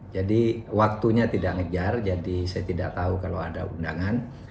waktunya tidak ngejar jadi saya tidak tahu kalau ada undangan